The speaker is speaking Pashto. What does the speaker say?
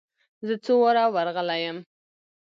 زه څو واره ور رغلى يم.